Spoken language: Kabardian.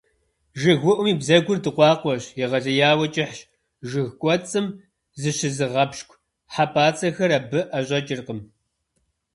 ЖыгыуIум и бзэгур дыкъуакъуэщ, егъэлеяуи кIыхьщ. Жыг кIуэцIым зыщызыгъэпщкIу хьэпIацIэхэр абы IэщIэкIыркъым.